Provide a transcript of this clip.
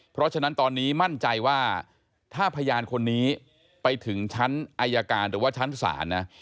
เพราะฉะนั้นตอนนี้มั่นใจว่าถ้าพยานคนนี้ไปถึงชั้นอายการหรือว่าชั้นศาลนะ